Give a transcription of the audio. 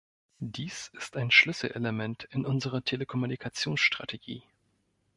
Dies ist ein Schlüsselelement in unserer Telekommunikationsstrategie.